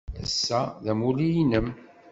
Ass-a, d amulli-nnem?